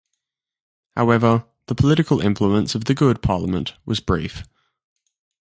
However, the political influence of the Good Parliament was brief.